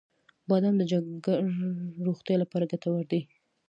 • بادام د جګر روغتیا لپاره ګټور دی.